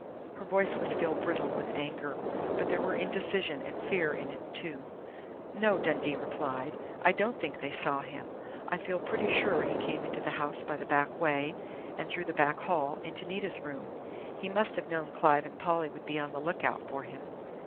Her voice was still brittle with anger, but there were indecision and fear in it, too. "No," Dundee replied. "I don't think they saw him. I feel pretty sure he came into the house by the back way, and through the back hall into Nita's room. He must have known Clive and Polly would be on the lookout for him....